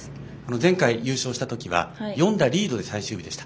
前回、優勝した時は４打リードで最終日でした。